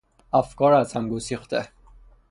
افکار ازهم گسیخته